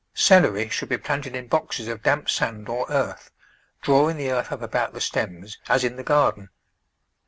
Celery should be planted in boxes of damp sand or earth, drawing the earth up about the stems, as in the garden.